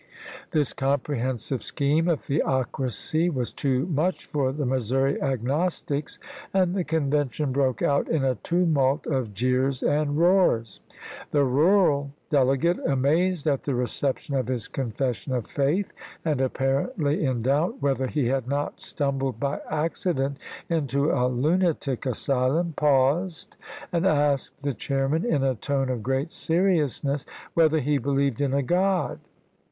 This comprehensive scheme of theocracy was too much for the Missouri agnostics, and the Convention broke out in a tumult of jeers and roars. The rural delegate, amazed at the reception of his confession of faith, and apparently in doubt whether he had not stumbled by accident into a lunatic asylum, paused, and asked the chairman in a tone of great seriousness whether he believed in a God.